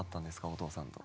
お父さんと。